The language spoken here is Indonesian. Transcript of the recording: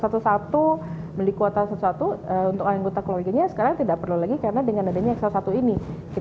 membeli kuota satu satu untuk anggota keluarganya sekarang tidak perlu lagi karena dengan adanya xl satu ini